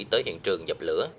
tới hiện trường dập lửa